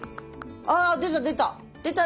ああ出た出た。